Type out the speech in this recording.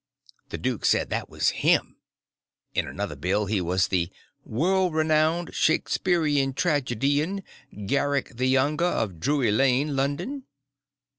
The duke said that was him. In another bill he was the "world renowned Shakespearian tragedian, Garrick the Younger, of Drury Lane, London."